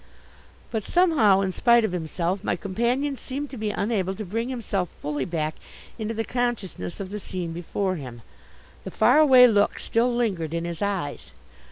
But somehow, in spite of himself, my companion seemed to be unable to bring himself fully back into the consciousness of the scene before him. The far away look still lingered in his eyes.